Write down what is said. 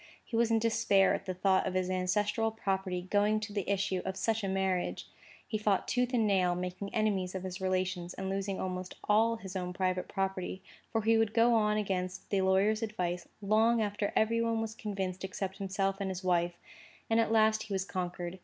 He was in despair at the thought of his ancestral property going to the issue of such a marriage. He fought tooth and nail, making enemies of his relations, and losing almost all his own private property; for he would go on against the lawyer's advice, long after every one was convinced except himself and his wife. At last he was conquered.